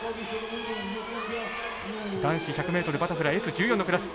男子１００ｍバタフライＳ１４のクラス。